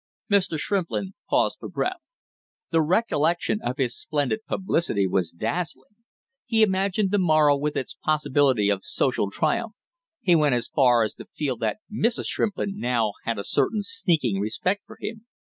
Mr. Shrimplin paused for breath. The recollection of his splendid publicity was dazzling. He imagined the morrow with its possibility of social triumph; he went as far as to feel that Mrs. Shrimplin now had a certain sneaking respect for him.